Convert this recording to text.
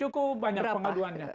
cukup banyak pengaduannya